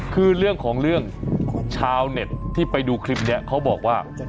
คือเรื่องของเรื่องชาวเน็ตที่ไปดูคลิปนี้เขาบอกว่า